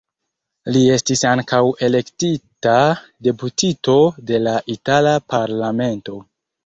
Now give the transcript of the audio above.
Li estis ankaŭ elektita deputito de la itala parlamento.